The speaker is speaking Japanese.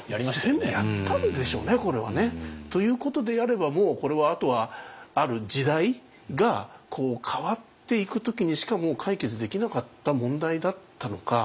全部やったんでしょうねこれはね。ということであればもうこれはあとはある時代がこう変わっていく時にしか解決できなかった問題だったのか。